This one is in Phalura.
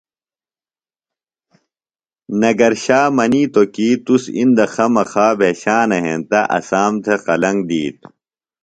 نگرشا منِیتوۡ کیۡ تُس اِندہ خمخا بھیشانہ ہینتہ اسام تھےۡ قلنگ دِیت